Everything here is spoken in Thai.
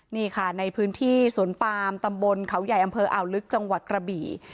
นี่ค่ะในพื้นที่สวนปามตำบลเขาใหญ่อำเภออ่าวลึกจังหวัดกระบี่